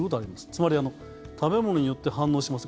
つまり食べ物によって反応します